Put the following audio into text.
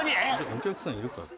お客さんいるから。